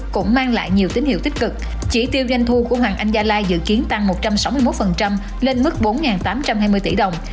cũng mang lại nhiều tín hiệu tích cực chỉ tiêu doanh thu của hoàng anh gia lai dự kiến tăng một trăm sáu mươi một lên mức bốn tám trăm hai mươi tỷ đồng